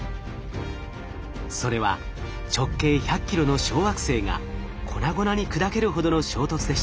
それは直径１００キロの小惑星が粉々に砕けるほどの衝突でした。